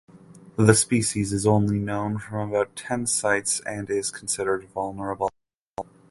The species is only known from about ten sites and is considered vulnerable.